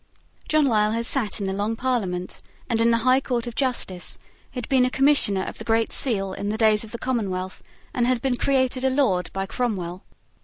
John Lisle had sate in the Long Parliament and in the High Court of Justice, had been a commissioner of the Great Seal in the days of the Commonwealth and had been created a Lord by Cromwell.